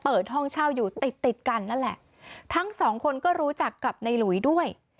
เปิดห้องเช่าอยู่ติดติดกันนั่นแหละทั้งสองคนก็รู้จักกับในหลุยด้วย